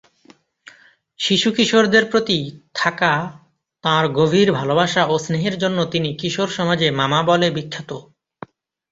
শিশু ও কিশোরদের প্রতি থাকা তাঁর গভীর ভালোবাসা ও স্নেহের জন্য তিনি কিশোর সমাজে "মামা" বলে বিখ্যাত।